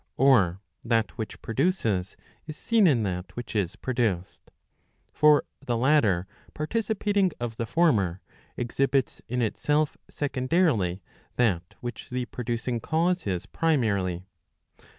Or that which produces is seen in that which is produced. For the latter participating of the former, exhibits in itself secondarily that which the producing cause is primarily.